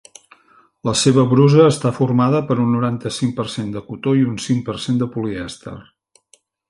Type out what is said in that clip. La seva brusa està formada per un noranta-cinc per cent de cotó i un cinc per cent de polièster.